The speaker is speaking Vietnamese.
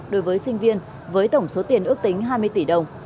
đối với sinh viên với tổng số tiền ước tính hai mươi tỷ đồng